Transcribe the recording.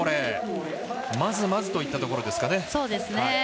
まずまずといったところか。